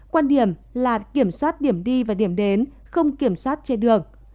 quan điểm là kiểm soát điểm đi và điểm đến không kiểm soát trên đường